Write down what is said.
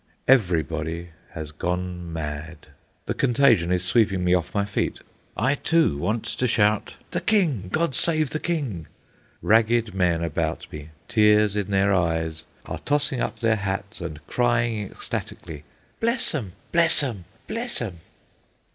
Everybody has gone mad. The contagion is sweeping me off my feet—I, too, want to shout, "The King! God save the King!" Ragged men about me, tears in their eyes, are tossing up their hats and crying ecstatically, "Bless 'em! Bless 'em! Bless 'em!"